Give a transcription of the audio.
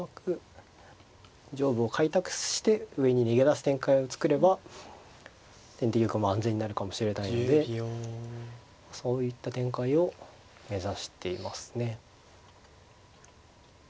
上部を開拓して上に逃げ出す展開を作れば先手玉も安全になるかもしれないのでそういった展開を目指していますね。